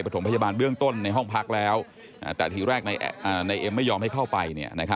ถมพยาบาลเบื้องต้นในห้องพักแล้วแต่ทีแรกนายเอ็มไม่ยอมให้เข้าไป